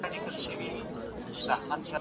که ته په املا کي له خپلو تېروتنو پند واخلې.